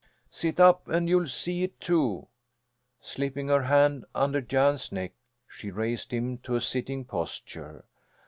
Sit up and you'll see it, too." Slipping her hand under Jan's neck she raised him to a sitting posture.